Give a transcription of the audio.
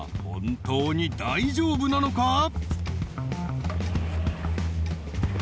本当に大丈夫なのか？